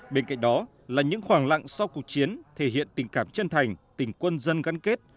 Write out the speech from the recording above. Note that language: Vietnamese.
bên cạnh đó là những khoảng lặng sau cuộc chiến thể hiện tình cảm chân thành tình quân dân gắn kết